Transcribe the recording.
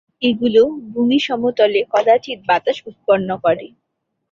এগুলো ভূমি সমতলে কদাচিৎ বাতাস উৎপন্ন করে।